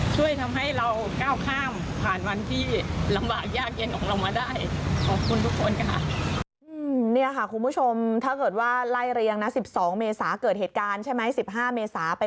ช่วยทำให้เราก้าวข้ามผ่านวันที่ลำบากยากเย็นของเรามาได้